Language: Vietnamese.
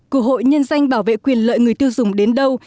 của hội nhân danh bảo vệ quyền lợi người tiêu dùng đến đâu